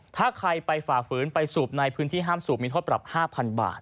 ถ้าใครไปฝ่าฝืนไปสูบในพื้นที่ห้ามสูบมีโทษปรับ๕๐๐บาท